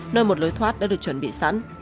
lối thoát đã được chuẩn bị sẵn